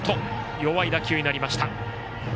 弱い打球になりました。